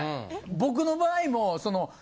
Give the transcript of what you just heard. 僕の場合も。